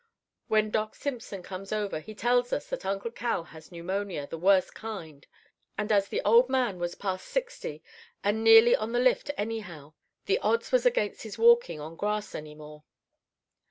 "When Doc Simpson comes over he tells us that Uncle Cal has pneumonia the worst kind; and as the old man was past sixty and nearly on the lift anyhow, the odds was against his walking on grass any more.